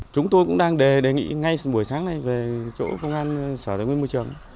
chúng tôi cũng đang đề nghị ngay buổi sáng này về chỗ công an sở tài nguyên môi trường